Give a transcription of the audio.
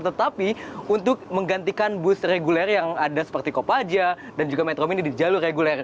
tetapi untuk menggantikan bus reguler yang ada seperti kopaja dan juga metro mini di jalur reguler